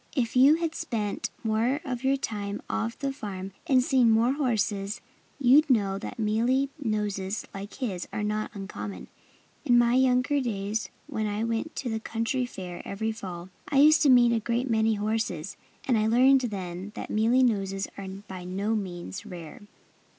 "If you had spent more of your time off the farm, and seen more horses, you'd know that mealy noses like his are not uncommon. In my younger days, when I went to the county fair every fall, I used to meet a great many horses. And I learned then that mealy noses are by no means rare."